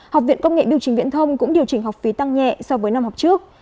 học viện công nghệ biểu trình viễn thông cũng điều chỉnh học phí tăng nhẹ so với năm học trước